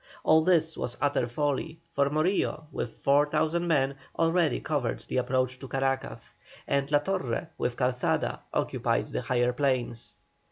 All this was utter folly, for Morillo, with 4,000 men, already covered the approach to Caracas, and La Torre, with Calzada, occupied the higher plains.